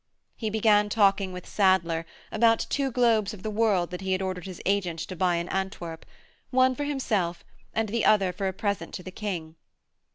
He began talking with Sadler about two globes of the world that he had ordered his agent to buy in Antwerp, one for himself and the other for a present to the King.